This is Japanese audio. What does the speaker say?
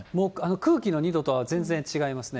空気の２度とは全然違いますね。